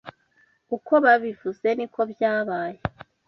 Uko babivuze ni ko byabaye